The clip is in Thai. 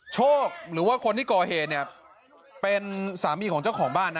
โชคหรือว่าคนที่ก่อเหตุเนี่ยเป็นสามีของเจ้าของบ้านนะ